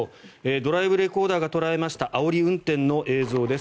ドライブレコーダーが捉えたあおり運転の映像です。